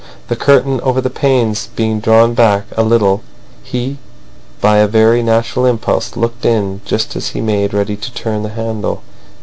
The curtain over the panes being drawn back a little he, by a very natural impulse, looked in, just as he made ready to turn the handle.